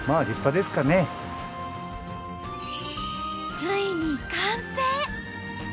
ついに完成！